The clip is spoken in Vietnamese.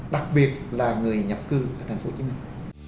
đặc biệt là người nhập cư tại thành phố hồ chí minh